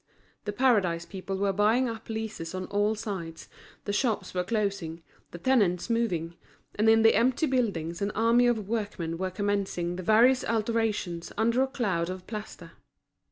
The Paradise people were buying up leases on all sides, the shops were closing, the tenants moving; and in the empty buildings an army of workmen were commencing the various alterations under a cloud of plaster.